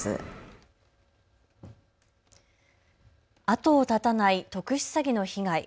後を絶たない特殊詐欺の被害。